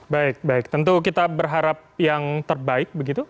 baik baik tentu kita berharap yang terbaik begitu